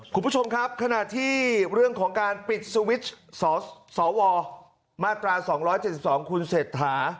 คุณผู้ชมครับขณะที่เรื่องของการปิดสวิตช์สวมาตรา๒๗๒คุณเศรษฐา